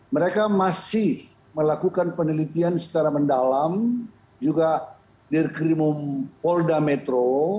mereka masih melakukan penelitian secara mendalam juga dirkrimum polda metro